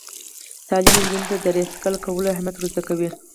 تعلیم نجونو ته د ریسایکل کولو اهمیت ور زده کوي.